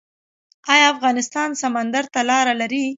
آیا افغانستان سمندر ته لاره لري؟